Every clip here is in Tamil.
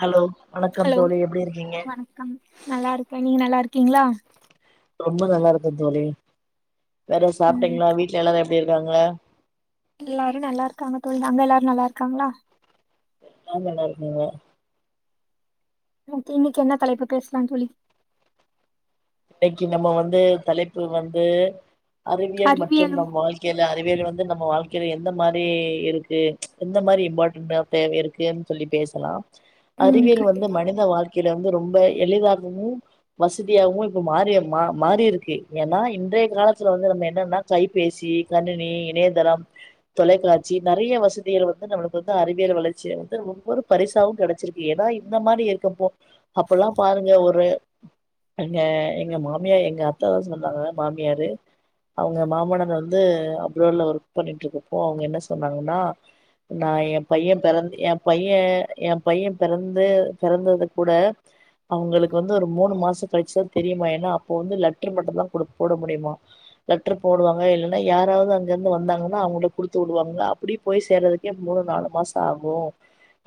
ஹலோ வணக்கம் ஹலோ தோழி எப்டி இருக்கீங்க வணக்கம் நல்லாருக்கே நீங்க நல்லாருக் கீங்ளா ரொம்ப நல்லாருக்கே தோழி வேற ம் சாப்டிங்களா வீட்ல எல்லாரு எப் எப்டி இருக்காங்க எல்லாரு நல்லாருக்காங்க தோழி அங்க எல்லாரு நல்லாருக்காங்ளா நாங்க நல்லாருக்காங்க இன்னக்கி இன்னக்கி என்ன தலைப்பு பேசலான் தோழி இன்னக்கி நம்ம வந்து தலைப்பு வந்து அறிவியல் மற்றும் அறிவியலும் நம் வாழ்க்கேல அறிவியல் வந் வந்து நம்ம வாழ்க்கேல எந்த மாரி இருக்கு எந்த மாரி இம்பார்டன்ட் அப் தேவை இருக்குன்னு சொல்லி பேசலாம் ம் அறிவியல் வந்து கண்டிப்பா மனித வாழ் கேல வந்து ரொம்ப எளிதாகவு வசதியாகவு மாறிய ம மாறி இருக்கு ஏன்னா இன்றைய காலத்துல வந்து நம்ம என்னன்னா கைபேசி கணினி இணையதளம் தொலைக்காட்சி நெறைய வசதிகள் வந்து நம்மளுக்கு வந்து அறிவியல் வளர்ச்சி வந்து ஒவ்வொரு பரிசாவும் கெடைச்சிருக்கு ஏன்னா இந்த மாரி இருக்கப்போ அப்பல்லாம் பாருங்க ஒரு எ எங்க மாமியார் எங்க அத்ததா சொன்னாங்க மாமியாரு அவுங்க மாமனார் வந்து அப்ராட்ல ஒர்க் பண்ணிட்டு இருக்கப்போ அவுங்க என்ன சொன்னாங்கன்னா நா எ பையே பெறந்து எ பையே எ பையே பெறந்து பெறந்தது கூட அவுங்களுக்கு வந்து ஒரு மூணு மாச கழுச்சு தா தெரியுமா ஏன்னா அப்போ வந்து லெட்ரு மட்டு தா குடுக் போட முடியுமா லெட்ரு போடுவாங்க இல்லேன்னா யாராவது அங்க இருந்து வந்தாங்கன்னா அவுங்களுக் குடுத்து வுடுவாங்களா அப்புடி போய் சேர்றதுக்கே மூணு நாலு மாசோ ஆகு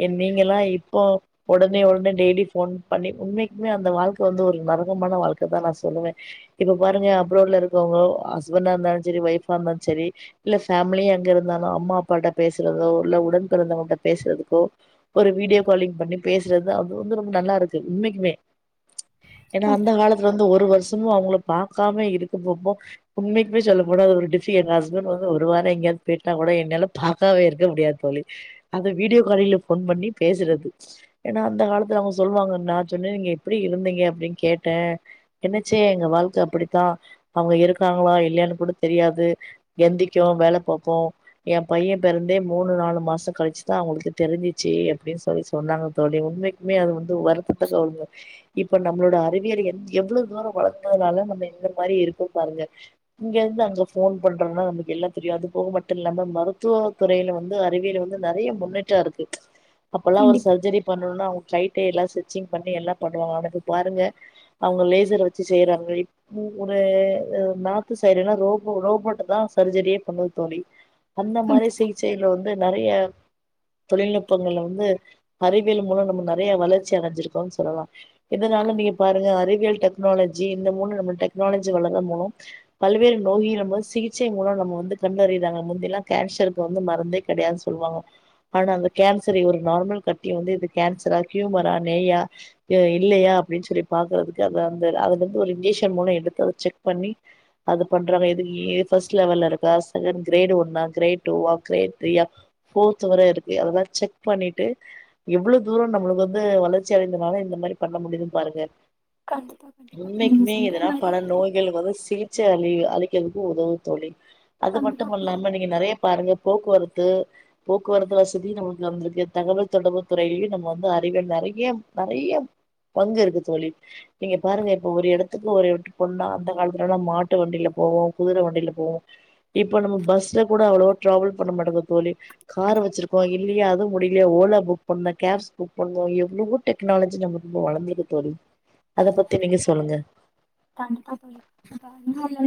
இன் நீங்கல்லா இப்போ ஒடனே ஒடனே டெய்லி ஃபோன் பண்ணி உண்மைக்குமே அந்த வாழ்க்க வந்து ஒரு நரகமான வாழ்க்க தா நா சொல்லுவே இப்ப பாருங்க அப்ராட்ல இருக்கவுங்கோ ஹஸ்பண்டா இருந்தாலு சரி ஒய்ஃப்பா இருந்தாலு சரி இல்ல ஃபேம்லியா அங்க இருந்தாலு அம்மா அப்பா கிட்ட பேசுறதோ இல்ல உடன் பிறந்தவங்க கிட்ட பேசுறதுக்கோ ஒரு வீடியோ காலிங் பண்ணி பேசுறது அது வந்து ரொம்ப நல்லாருக்கு உண்மக்குமே ஏன்னா அந்த கண்டிப்பா காலத்துல வந்து ஒரு வருஷ் சுத்தமா அவுங்கள பாக்காம இருக்கும் போம்போ உண்மைக்குமே சொல்ல போனா அது ஒரு டிப்ஃபி எங்க ஹஸ்பண்ட் வந்து ஒரு வாரோ எங்கயாது பேய்ட்டா கூட என்னால பாக்காம இருக்க முடியாது தோழி அத வீடியோ காலிங்ல ஃபோன் பண்ணி பேசுறது ஏன்னா அந்த காலத்துல அவுங்க சொல்வாங்க நா சொன்னே நீங்க எப்டி இருந்தீங்க அப்டின் கேட்டே என்னாச்சு எங்க வாழ்க்க அப்டித்தா அவுங்க இருக்காங்களா இல்லையான்னு கூட தெரியாது எந்திக்கோ வேல பாப்போ எ பையே பெறந்தே மூணு நாலு மாச கழுச்சுதா அவுங்களுக்கு தெருஞ்சிச்சி அப்டின்னு சொல்லி சொன்னாங்க தோழி உண்மைக்குமே அது வந்து து வருத்தத்தக்க ஒன்னுதா இப்ப நம்பளோட அறிவியல் எந் எவ்ளோ தூரோ வளந்ததுனால நம்ம இந்த மாரி இருக்கோ பாருங்க இங்க இருந்து அங்க ஃபோன் பண்றோனா நமக்கு எல்லா தெரியாது போக மட்டு இல்லாம மருத்துவ துறையில வந்து அறிவியல்ல வந்து நெறைய முன்னேற்ற இருக்கு அப்பல்லா ஒரு கண்டிப்பா சர்ஜரி பண்ணணுனா அவு நைட்டே எல்லா ஸ்டிட்ச்சிங் பண்ணி எல்லா பண்ணுவாங்க அவுங்க தூக் பாருங்க அவுங்க லேசர வச்சு செய்றாங்க இப்போ ஒரு நார்த்து சைடுன்னா ரோபோ ரோபோட்டு தா சர்ஜரியே பண்ணுது தோழி அந்த மாரி கண்டிப்பா சிகிச்சேல வந் து நெறைய தொழில்நுட்பங்கள்ல வந்து அறிவியல் மூலோ நம்ம நெறைய வளர்ச்சி அடஞ்சிருக்கோனு சொல்லலா இதுனால நீங்க பாருங்க அறி வியல் டெக்னாலஜி இந்த மூணு நம்ம டெக்னாலஜி வளர்ர மூலோ பல்வேறு நோய்கள் நம்ம சிகிச்சை மூலோ நம்ம வந்து கண்டயிறாங்க முந்திலா கேன்சருக்கு வந்து மருந்தே கெடையாது சொல்லுவாங்க ஆனா அந்த கேன்சரை ஒரு நார்மல் கட்டி வந்து இது கேன்சரா ஹியூமரா நெய்யா ஏய் இல்லயா அப்டின் சொல்லி பாக்குறதுக்கு அந்த அந்த அதுல இருந்து ஒரு இன்ஜெக்ஷன் மூலோ எடுத்து அத செக் பண்ணி அது பண்றாங்க எது இ ஃபஸ்ட் லெவல்ல இருக்கா செகண்ட் கிரேட் ஒன்னா கிரேட் டூவா கிரேட் த்ரீயா ஃபோர்த் வர இருக்கு அதல்லா செக் பண்ணிட்டு எவ்ளோ தூரோ நம்மளுக்கு வந்து வளர்ச்சி அடைந்தனால இந்த மாரி பண்ண முடியுதுன்னு பாருங்க கண்டிப்பா கண்டிப்பா நீங்க உண்மைக்குமே சொல்ற எதுனா மாரி பல நோய்கள் வரும் சிலி ச அழி அழிக்க உதவும் தோழி அது மட்டும் கண்டிப்பா இல்லாம நீங்க நிறைய பாருங்க போக்குவரத்து போக்குவரத்து வசதி நமக்கு வந்திருக்கு தகவல் தொடர்பு துறையிலயும் நம்ம வந்து அறிவே நிறைய நிறைய பங்கு இருக்கு தோழி நீங்க பாருங்க இப்ப ஒரு இடத்துக்கு ஒரு இடத்துக்கு போனா அந்த காலத்துலயெல்லாம் மாட்டு வண்டியில போவோம் குதிரை வண்டியில போவோம் இப்ப நம்ம பஸ்ல கூட அவ்வளவோ டிராவல் பண்ண மாட்டோம்ங்க தோழி கார் வச்சிருக்கோம் இல்லையா அதுவும் முடியலையா ஓலா புக் பண்ண கேப்ஸ் புக் பண்ணுவோம் எவ்வளவோ டெக்னாலஜி நம்ம ரொம்ப வளந்திருக்கு தோழி அத பத்தி நீங்க சொல்லுங்க கண்டிப்பா தோழி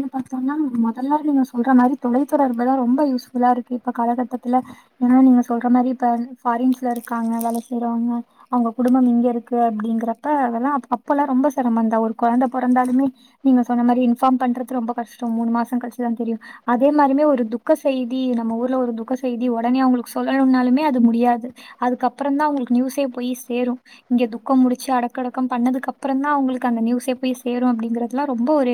[unintelligible] பாத்தோம்னா முதல்ல நீங்க சொல்ற மாரி தொலைத்தொடர்புல்லாம் ரொம்ப யூஸ் புல்லா இருக்கு இப்ப காலகட்டத்துல ஏன்னா நீங்க சொல்ற மாதிரி இப்ப பாரின்ஸ்ல இருக்காங்க வேலை செய்றவங்க அவங்க குடும்பம் இங்க இருக்கு அப்படிங்கறப்ப அதெல்லாம் அப்பல்லாம் ரொம்ப சிரமந்தா ஒரு குழந்த பொறந்த பொறந்தாலுமே நீங்க சொன்ன மாரி இன்பார்ம் பண்றது ரொம்ப கஷ்டம் மூணு மாசம் கழிச்சுதான் தெரியும் அதே மாரமே ஒரு துக்க செய்தி நம்ம ஊர்ல ஒரு துக்க செய்தி உடனே அவங்களுக்கு சொல்லணும்னாலுமே அது முடியாது அதுக்கப்புறம் தான் அங்களுக்கு நியூஸே போய் சேரும் இங்க துக்கம் முடிச்சு அடக்கடக்கம் பண்ணதுக்கு அப்புறம் தான் அவங்களுக்கு அந்த நியூஸே போய் சேரும் அப்படிங்கிறதுதுலாம் ரொம்ப ஒரு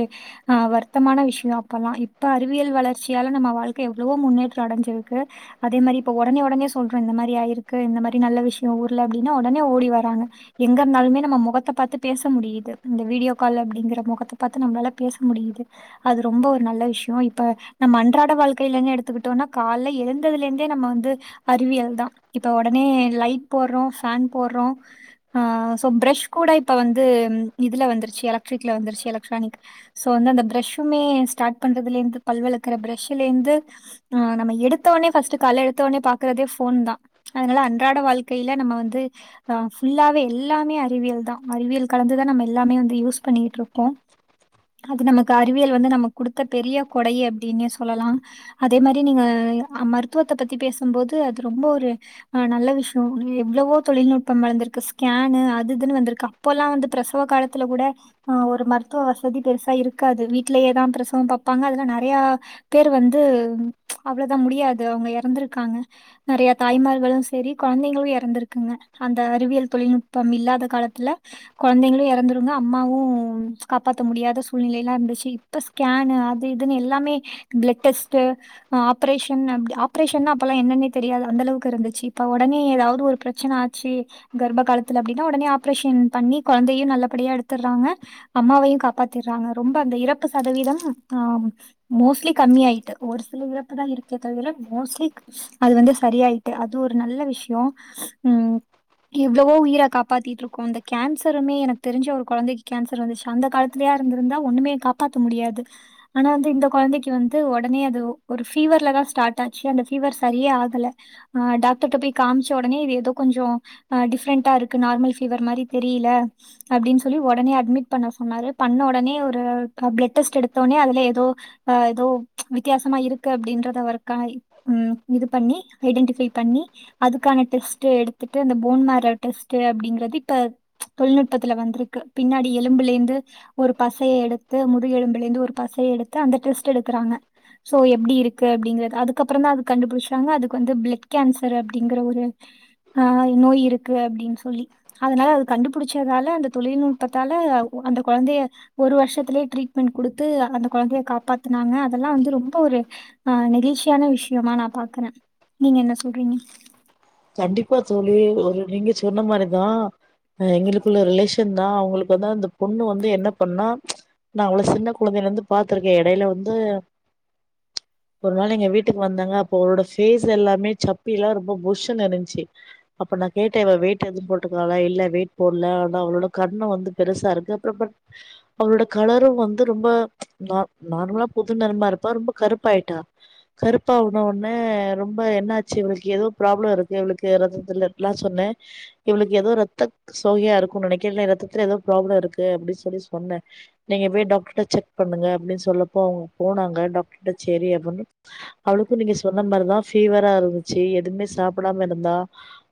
ஆஹ் வருத்தமான விஷயம் அப்பல்லாம் இப்ப அறிவியல் வளர்ச்சியால நம்ம வாழ்க்கை எவ்வளவோ முன்னேற்றம் அடைஞ்சிருக்கு அதே மாரி இப்ப உடனே உடனே சொல்றோம் இந்த மாரி ஆயிருக்கு இந்த மாரி நல்ல விஷயம் ஊர்ல அப்படின்னா உடனே ஓடி வராங்க எங்க இருந்தாலுமே நம்ம முகத்தை பாத்து பேச முடியுது இந்த வீடியோ கால் அப்படிங்கிற முகத்தை பாத்து நம்மளால பேச முடியுது அது ரொம்ப ஒரு நல்ல விஷயம் இப்ப நம்ம அன்றாட வாழ்க்கையிலே எடுத்துக்கிட்டோம்னா காலைல எழுந்ததுல இருந்தே நம்ம வந்து அறிவியல் தான் இப்ப உடனே லைட் போடுறோம் பேன் போடுறோம் சோ பிரஷ் கூட இப்ப வந்து இதுல வந்துரு எலக்ட்ரிக்ல வந்துருச்சு எலக்ட்ரானிக் சோ வந்து அந்த பிரஷ்சுமே ஸ்டார்ட் பண்றதிலருந்து பல் வெளக்குற பிரஷ்லேருந்து நம்ம எடுத்த உடனே ஃபர்ஸ்ட் காலைல எடுத்த ஒடன்னே பார்க்கிறதே போன் தான் அதனால அன்றாட வாழ்க்கையில நம்ம வந்து அ ஃபுல்லாவே எல்லாமே அறிவியல் தான் அறிவியல் கலந்து தான் நம்ம எல்லாமே வந்து யூஸ் பண்ணிட்டு இருக்கோம் அது நமக்கு அறிவியல் வந்து நமக்கு குடுத்த பெரிய கொடை அப்டின்னே சொல்லலாம் அதே மாதிரி நீங்க மருத்துவத்த பத்தி பேசும்போது அது ரொம்ப ஒரு நல்ல விஷயம் எவ்வளவோ தொழில்நுட்பம் வளர்ந்திருக்கு ஸ்கேன் அதுஇதுன்னு வந்திருக்கு அப்பொல்லாம் வந்து பிரசவ காலத் தில கூட ஒரு மருத்துவ வசதி பெருசா இருக்காது வீட்லயேதான் பிரசவம் பாப்பாங்க அதலாம் நிறைய பேர் வந்து அவ்வளதான் முடியாது அவங்க எறந்திருக்காங்க நிறைய தாய்மார்களும் சரி கொழந்தைங்களும் எறந்திருக்குங்க அந்த அறிவியல் தொழில்நுட்பம் இல்லாத காலத்துல கொழந்தைங்களும் எறந்து அம்மாவும் காப்பாத்த முடியாத சூழ்நிலைல்லாம் இருந்துச்சு இப்ப ஸ்கேன் அது இதுன்னு எல்லாமே பிளட் டெஸ்ட்டு அ ஆப்பரேஷன் ஆப்பரேஷன்னா அப்பல்லாம் என்னன்னே தெரியாது அந்த அளவுக்கு இருந்துச்சு இப்ப ஒடனே ஏதாவது ஒரு பிரச்சன ஆச்சு கர்ப்ப காலத்தில அப்படின்னா ஒடனே ஆப்பரேஷன் பண்ணி கொழந்தய நல்ல அப்படியா எடுத்துர்றாங்க அம்மாவையும் காப்பாத்தீர்றாங்க ரொம்ப அந்த இறப்பு சதவீதம் ஹ மோஸ்ட்லி கம்மி ஆயிட்டு ஒரு சில இறப்புதான் இருக்கே தவிர மோஸ்ட்லி அது வந்து சரியாயிட்டு அது ஒரு நல்ல விஷயம் உஹம் எவ்வளவோ உயிர காப்பாத்திட்டு இருக்கோ இந்த கேன்சருமே எனக் தெரிஞ்ச ஒரு கொழந்தைக்கு கேன்சர் வந்துச்சு அந்த காலத்திலயா இருந்திருந்தா ஒண்ணுமே காப்பாத்த முடியாது ஆனா வந்து இந்த கொழந்தைக்கு வந்து உடனே அது ஒரு ஃபீவர்லதான் ஸ்டார்ட் ஆச்சு அந்த ஃபீவர் சரியே ஆகல ஆஹ் டாக்டர்ட்ட போய் காமிச்ச உடனே இது ஏதோ கொஞ்சம் ஹ் டிஃப்ரெண்டா இருக்கு நார்மல் ஃபீவர் மாதிரி தெரியல அப்படின்னு சொல்லி உடனே அட்மிட் பண்ண சொன்னாரு பண்ண உடனே ஒரு பிளட் டெஸ்ட் எடுத்தோடனே அதுல ஏதோ ஏதோ வித்தியாசமா இருக்கு அப்படின்றத வரைக்க இது பண்ணி ஐடென்டிஃபை பண்ணி அதுக்கான டெஸ்ட் எடுத்துட்டு அந்த போன் மாரெல் டெஸ்ட் அப்படிங்கறது இப்ப தொழில்நுட் பக்கத்தில வந்திருக்கு பின்னாடி எலும்புலேந்து ஒரு பசைய எடுத்து முதுகெலும்புலேந்து ஒரு பசைய எடுத்து அந்த டெஸ்ட் எடுக்கறாங்க சோ எப்டி இருக்கு அப்படிங்கிறதுக்கப்புறம் தான் அத கண்டு பிடிச்சாங்க அதுக்கு வந்து பிளட் கேன்சர் அப்படின்கிற ஒரு நோய் இருக்கு அப்டின்னு சொல்லி அதனால அத கண்டுபுடிச் தால அந்த தொழில்நுட்பத்தால அந்த கொழந்தய ஒரு வருஷத்திலயே ட்ரீட்மெண்ட் குடுத்து அந்த கொழந்தய காப்பாத்தனாங்க அதெல்லாம் வந்து ரொம்ப ஒரு அஹ் நெகிழ்ச்சியான விஷயமா நான் பாக்கறேன் நீங்க என்ன சொல்றீங்க கண்டிப்பா தோழி ஒரு நீங்க சொன்ன மாதிரிதான் ஹ் எங்களுக்குள்ள ரிலேஷன் தான் அவங்களுக்கு வந்து அந்த பொண்ணு வந்து என்ன பண்ணா நான் அவ்ள சின்ன கொழந்தயில இருந்து பாத்ருக்கே எடையில வந்து ஒரு நாள் எங்க வீட்டுக்கு வந்தாங்க அப்ப அவளோட ஃபேஸ் எல்லாமே சப்பி எல்லாம் ரொம்ப புஷ் ன்னு இருந்துச்சு அப்ப நான் கேட்டேன் இவ வெயிட் எதும் போட்ருக்காளா இல்ல வெயிட் போடல ஆனா அவளோட கன்னம் வந்து பெருசா இருக்கு அவளோட கலரும் வந்து ரொம்ப நார் நார்மலா புது நிறமா இருப்பா ரொம்ப கருப்பாய்ட்டா கருப்பான ஒடனே ரொம்ப என்னாச்சு இவளுக்கு ஏதோ ப்ராப்ளம் இருக்கு இவளுக்கு ரத்தத்தில நா சொன்னேன் இவளுக்கு ஏதோ ரத்த சோகையா இருக்கும் நினைக்கறே இல்ல ரத்தத்துல ஏதோ ப்ராப்ளம் இருக்கு அப்படி சொல்லி சொன்னேன் நீங்க போய் டாக்டர்ட்ட செக் பண்ணுங்க அப்படின்னு சொன்னப்போ அவங்க போனாங்க டாக்டர்கிட்ட சரி அப்படின்னு அவளுக்கும் நீங்க சொன்ன மாதிரிதான் ஃபீவரா இருந்துச்சு எதுவுமே சாப் டாம இருந்த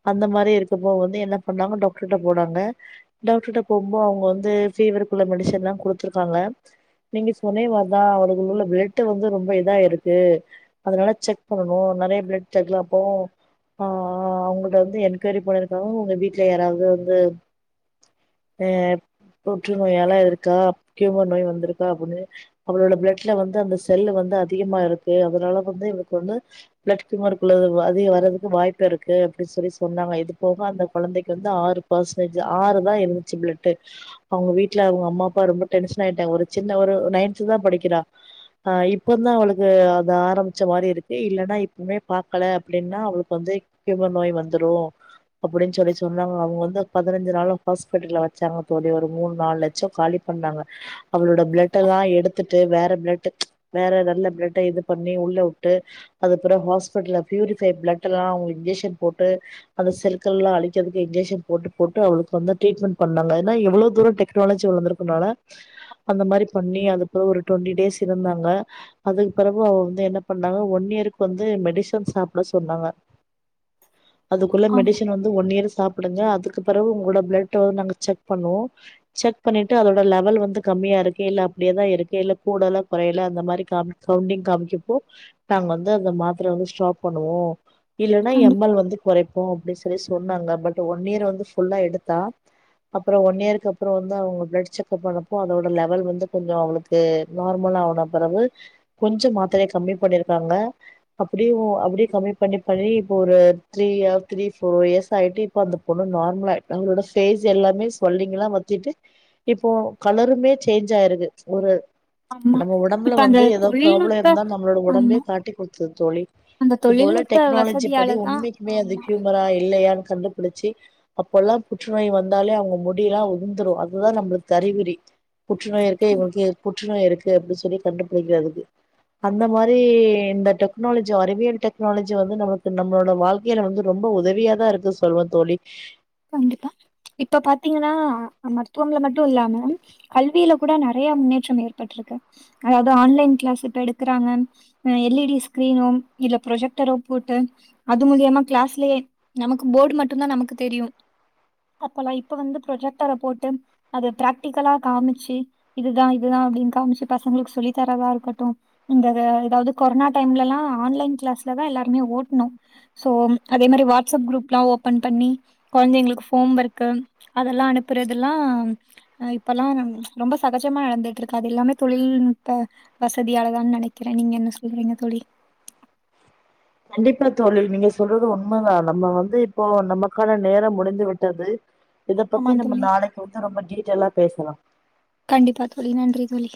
அந்த மாரி இருக்கப்போ வந்து என்ன பண்ணாங்க டாக்டர்கிட்ட போனாங்க டாக்டர்கிட்ட போகும்போ அவங்க வந்து ஃபீவருக்குள்ள மெடிசன் எல்லாம் குடுத்துருக்காங்க நீங்க சொன்னேவா தான் அவளுக்கு உள்ள பிளட் வந்து ரொம்ப இதா இருக்கு அதனால செக் பண்ணணும் நெறயா பிளட் ஸ்டகிலாகும் ஆஹ் அவங்கட்ட வந்து என்கொயரி பண்ணியிருக்காங்க உங்க வீட்டுல யாராவது வந்து ஹ புற்று நோயால இருக்கா க்யூமர் நோய் வந்திருக்கா அப்படின்னு அவளோட பிளட்ல வந்து அந்த செல்லு வந்து அதிகமா இருக்கு அதனால வந்து இவளுக்கு வந்து பிளட் க்யூமருக்குள்ள அதிகம் வரதுக்கு வாய்ப் பு இருக்கு அப்டினு சொல்லி சொன்னாங்க இது போக அந்த கொழந்தைக்கு வந்து ஆறு பெர்ஸன்ட் ஆறு தான் இருந்துச்சு பிளட் அவங்க வீட்டுல அவங்க அம்மா அப்பா கியூமர் நோய் வந்துரும் அப்படின்னு சொல்லி சொன்னாங்க அவங்க வந்து பதினஞ்சு நாளும் ஹாஸ்பிட்டல்ல வச்சாங்க தோழி ஒரு மூணு நாலு லட்சம் காலி பண்ணாங்க அவளோட பிளட்டெல்லாம் எடுத்துட்டு வேற பிளட் வேற நல்ல பிளட்டெ இது பண்ணி உள்ளே விட்டு அதப்பறம் ஹாஸ்பிட்டல்ல பியூரிபை பிளட் எல்லாம் இன்ஜெக்ஷன் போட்டு அந்த செல்கள் எல்லாம் அழிக்கறதுக்கு இன்ஜெக்ஷன் போட்டு போட்டு அவளுக்கு வந்து ட்ரீட்மெண்ட் பண்ணாங்க ஏன்னா எவ்வளவு தூரம் டெக்னாலஜி வளர்ந்திருக்கனால அந்த மாதிரி பண்ணி அதுப்பறம் ஒரு ட்வெண்ட்டி டேஸ் இருந்தாங்க அதுக்கு பிறகு அவங்க வந்து என்ன பண்ணாங்க ஒன் இயருக்கு வந்து மெடிசன் சாப்பிட சொன்னாங்க அதுக்குள்ள ஆமா மெடிசன் வந்து ஒன் இயர் சாப்பிடுங்க அதுக்குப் பிறகு உங்கள பிளட்ட நாங்க செக் பண்ணுவோம் செக் பண்ணிட்டு அதோட லெவல் வந்து கம்மியா இருக்கு இல்ல அப்படியே தான் இருக்கு இல்ல கூடல குறையல அந்த மாதிரி கவுண்டிங் காமிச்சப்ப நாங்க வந்து மாத்தரய ஸ்டாப் பண்ணுவோம் இல்லன் நா கண்டி எம்மல் வந்து குறைப்போம் அப்படின்னு சொல்லி சொன்னாங்க பட் ஒன் இயர் வந்து ஃபுல்லா எடுத்தா அப்புறம் ஒன் இயர்கருக்கு அப்புறம் வந்து அவங்க பிளட் செக்கப் பண்ணப்போ அதோட லெவல் வந்து கொஞ்சம் அவளுக்கு நார்மலான பிறகு கொஞ்சம் மாத்திரயை கம்மி பண்ணியிருக்காங்க அப்படியும் அப்படியே கம்மி பண்ணி பண்ணி இ ஒரு த்ரீ த்ரீ ஃபோர் இயர்ஸ் ஆயிட்டு இப்ப அந்த பொண்ணு நார்மலாயிட்டா அவளோட ஃபேஸ் எல்லாமே சொல்லிங்கல்லாம் வத்திட்டு இப்போ கலருமே சேஞ்ச் ஆயிருக்கு ஒரு ஆமா நம்ம உடம்புல இப்ப அந்த வந்து ஏதோ ப்ராப்ளம் தொழில்நுட்ப இருந்தா நம்மளோட ஆமா உடம்பே அத காட்டி குடுத்திருது தோழி அந்த இப்போல்ல தொழில்நுட்ப டெக்னாலஜி ப்படி வசதியாலதான் உண்மைக்குமே அது ஆமா கியூமரா இல்லையா கண்டுபிடிச்சு அப்பல்லாம் புற்றுநோய் வந்தாலே அவங்க முடியல்லாம் உதிந்துரும் அதுதான் அவங்களுக்குஅறிகுறி புற்றுநோய் இருக்கு இவ புற்றுநோய் இருக்கு அப்டி சொல்லி கண்டுபிடிக்கறதுக்கு அந்த மாதிரி இந்த டெக்னாலஜி அறிவியல் டெக்னாலஜி வந்து நம நம்மளோட வாழ்க்கையில வந்து ரொம்ப உதவியாதா இருக்கு சொல்வன் தோழி கண்டிப்பா இப்ப பாத்தீங்கன்னா மருத்துவம்ல மட்டும் இல்லாம கல்வியில கூட நிறைய முன்னேற்றம் ஏற்பட்டிருக்கு அதாவது ஆன்லைன் கிளாஸ் இப்ப எடுக்கறாங்க எல் இ டி ஸ்கிரீனோ இல்ல ப்ரொஜெக்டரோ போட்டு அது மூலியமா கிளாஸ்லயே நமக்கு போர்டு மட்டும் தான் நமக்கு தெரியும் அப்பெல்லா இப்ப வந்து ப்ரொஜெக்ட்ரை போட்டு அது பிராக்டிகலா காமிச்சு இதுதான் இதுதான் அப்டின்னு காமிச்சு பசங்களுக்கு சொல்லி தரதா இருக்கட்டு இந்த எத எதாவது கொரோனா டைம்ல எல்லா ஆன்லைன் கிளாஸ்லதா எல்லாருமே ஓட்ணோ சோ அதே மாரி வாட்ஸ்அப் குரூப் எல்லா ஓப்பன் பண்ணி கொழந்தைங்களுக்கு ஹோம் ஒர்க்கு அதெல்லா அனுப்புறது எல்லா இப்பெல்லாம் ரொம்ப சகஜமா நடந்துட்டு இருக்கு அது எல்லாமே தொழில்நுட்ப வசதியாலதான் நெனைக்கிறேன் நீங்க என்ன சொல்றீங்க தோழி கண்டிப்பா தோழி நீங்க சொல்றது உண்மதா நம்ம வந்து இப்போ நமக்கான நேரோ முடிந்து விட்டது ஆமா இதப்பத்தி நம்ம தோழி நாளைக்கு உத்தரம் பண்ணிட்டு டீடெலா பேசலா கண்டிப்பா தோழி நன்றி தோழி